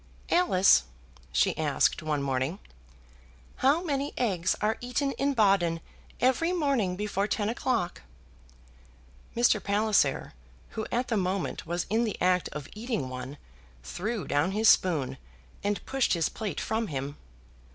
"Alice," she asked, one morning, "how many eggs are eaten in Baden every morning before ten o'clock?" Mr. Palliser, who at the moment was in the act of eating one, threw down his spoon, and pushed his plate from him.